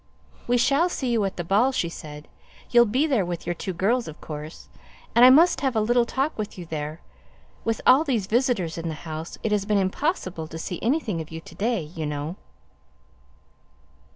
"We shall see you at the ball," she said. "You'll be there with your two girls, of course, and I must have a little talk with you there; with all these visitors in the house, it has been impossible to see anything of you to day, you know."